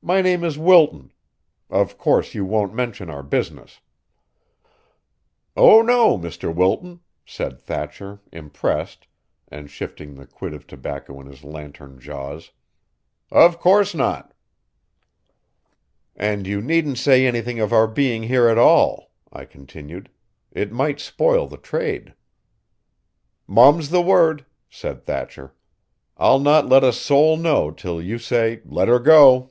"My name is Wilton. Of course you won't mention our business." "Oh, no, Mr. Wilton," said Thatcher, impressed, and shifting the quid of tobacco in his lantern jaws. "Of course not." "And you needn't say anything of our being here at all," I continued. "It might spoil the trade." "Mum's the word," said Thatcher. "I'll not let a soul know till you say 'Let 'er go.'